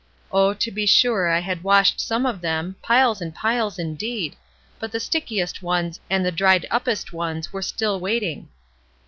Oh, to be sure I had washed some of them, piles and piles indeed, but the stickiest ones and the dried up est ones were still waiting.